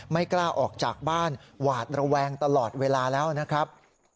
ไม่กล้าออกจากบ้านหวาดระแวงตลอดเวลาแล้วนะครับ